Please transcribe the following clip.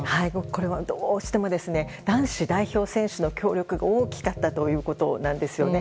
これはどうしても男子代表選手の協力が大きかったということですね。